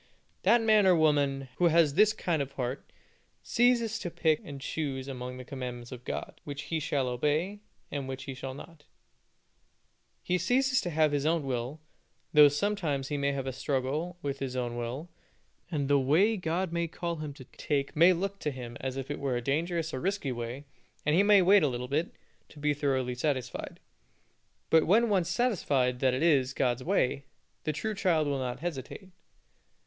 That man or woman who has this kind of a heart, ceases to pick and choose amongst the commandments of God, which he shall obey, and which he shall not he ceases to have his own will, though sometimes he may have a struggle with his own will, and the way that God may call him to take may look to him as if it were a dangerous or risky way, and he may wait a little bit, to be thoroughly satisfied; but when once satisfied that it is God's way, the true child will not hesitate.